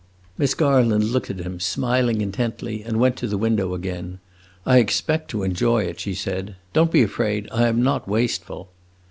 Miss Garland looked at him, smiling intently, and went to the window again. "I expect to enjoy it," she said. "Don't be afraid; I am not wasteful."